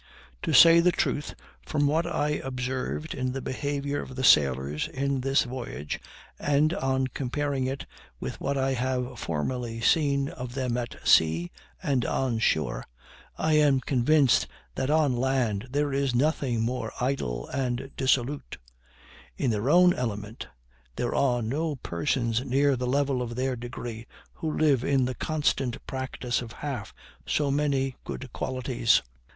To say the truth, from what I observed in the behavior of the sailors in this voyage, and on comparing it with what I have formerly seen of them at sea and on shore, I am convinced that on land there is nothing more idle and dissolute; in their own element there are no persons near the level of their degree who live in the constant practice of half so many good qualities.